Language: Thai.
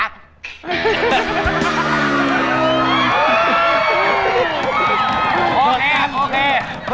โอเคโอเค